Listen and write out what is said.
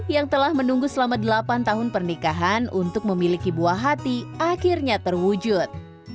yang telah menunggu selama delapan tahun pernikahan untuk memiliki buah hati akhirnya terwujud